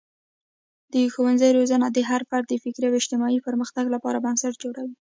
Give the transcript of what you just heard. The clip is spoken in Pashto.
د ښوونځي روزنه د هر فرد د فکري او اجتماعي پرمختګ لپاره بنسټ جوړوي.